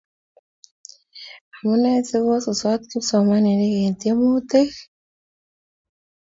Amunee si kosusot kipsomaninik eng temutik?